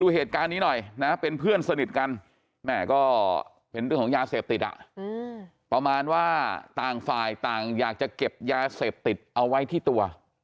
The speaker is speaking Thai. เหตุการณ์นี้หน่อยนะเป็นเพื่อนสนิทกันแม่ก็เป็นเรื่องของยาเสพติดอ่ะประมาณว่าต่างฝ่ายต่างอยากจะเก็บยาเสพติดเอาไว้ที่ตัว